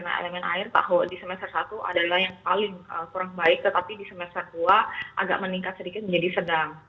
nah elemen air tahu di semester satu adalah yang paling kurang baik tetapi di semester dua agak meningkat sedikit menjadi sedang